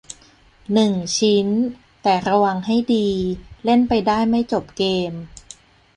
หนึ่ง ชิ้น แต่ระวังให้ดี เล่นไปได้ไม่จบเกม